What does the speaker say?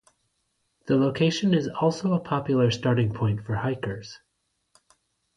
The location is also a popular starting point for hikers.